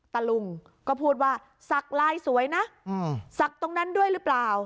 ตะลุงก็พูดว่าสักลายสวยนะศักดิ์ตรงนั้นด้วยหรือเปล่า